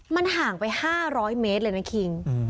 มันห่างไป๕๐๐เมตรเลยนะคิง